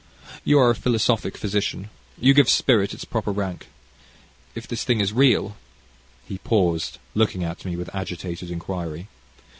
You are a philosophic physician. You give spirit its proper rank. If this thing is real " He paused looking at me with agitated inquiry.